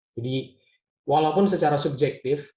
jadi walaupun secara subjektif